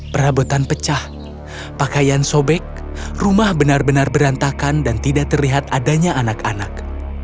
perabotan pecah pakaian sobek rumah benar benar berantakan dan tidak terlihat adanya anak anak